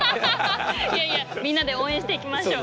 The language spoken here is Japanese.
いやいやみんなで応援していきましょう。